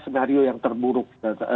senario yang terburuk